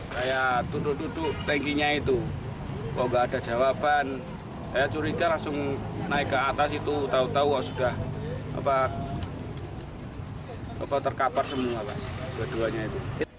saya duduk duduk tankinya itu kalau nggak ada jawaban saya curiga langsung naik ke atas itu tahu tahu wah sudah terkapar semua dua duanya itu